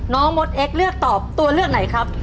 มดเอ็กซเลือกตอบตัวเลือกไหนครับ